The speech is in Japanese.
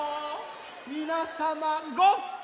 みなさまごっき？